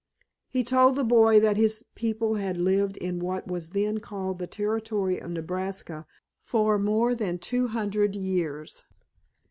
He told the boy that his people had lived in what was then called the Territory of Nebraska for more than two hundred years.